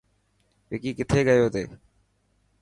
وڪي ڪٿي گيو تي.